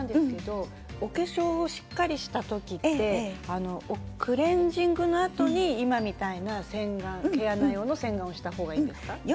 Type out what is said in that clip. お化粧をしっかりした時はクレンジングのあとに今のような洗顔毛穴用の洗顔をした方がいいんですか。